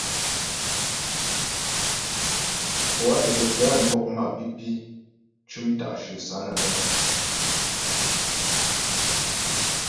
Poâ Ebebda nwɔk mapǐpi cʉm ta'shyə Sánaga.